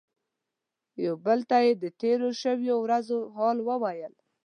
یو بل ته یې د تیرو شویو ورځو حال ویلو.